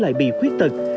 lại bị khuyết tật